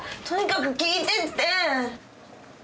とにかく聞いてって！